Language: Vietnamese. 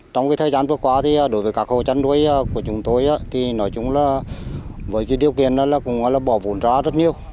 trong cái thời gian vừa qua thì đối với các hộ chăn nuôi của chúng tôi thì nói chung là với cái điều kiện đó là cũng là bỏ vốn ra rất nhiều